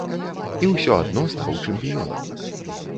І ўсё адно стаў чэмпіёнам.